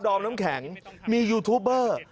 อมน้ำแข็งมียูทูบเบอร์